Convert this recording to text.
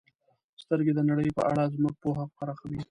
• سترګې د نړۍ په اړه زموږ پوهه پراخوي.